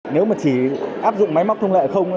nếu mà chỉ áp dụng máy móc thông lệ không